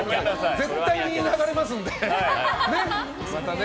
絶対に流れますので。